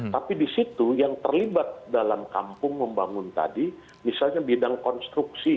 tapi di situ yang terlibat dalam kampung membangun tadi misalnya bidang konstruksi